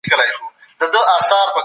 خلګو یو بل ته د زلزلې کیسې کولي.